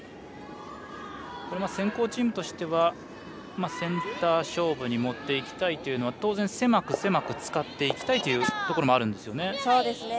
先攻チームとしてはセンター勝負に持っていきたいというのは当然、狭く狭く使っていきたいというところもあるんですよね。